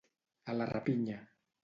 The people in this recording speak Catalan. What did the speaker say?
A la rapinya.